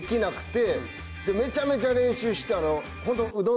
めちゃめちゃ練習してホント。